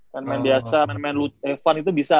main main biasa main main fun itu bisa